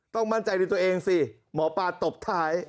มั่นใจในตัวเองสิหมอปลาตบท้าย